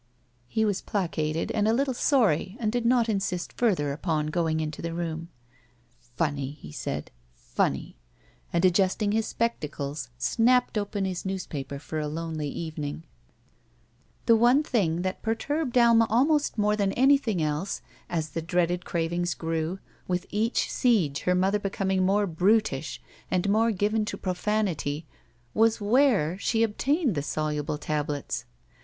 He was placated and a little sorry and did not insist further upon going into the room. "Funny," he said. "Fimny," and, adjusting his spectacles, snapped open his newspaper for a lonely evening. 48 SHE WALKS IN BEAUTY The one thing that perturbed Ahna ahnost more than anything else, as the dreaded cravings grew, with each siege her mother becoming more brutish and more given to profanity, was where she obtained the soluble tablets.